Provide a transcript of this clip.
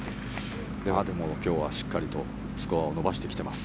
でも今日はしっかりとスコアを伸ばしてきてます。